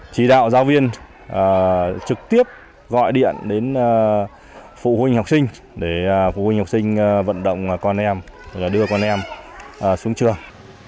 chỉ đạo giáo viên trực tiếp gọi điện đến phụ huynh học sinh để phụ huynh học sinh vận động con em đưa con em xuống trường